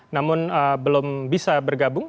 namun belum bisa bergabung